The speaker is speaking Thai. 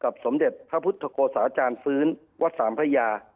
สมเด็จพระพุทธโกศาอาจารย์ฟื้นวัดสามพระยา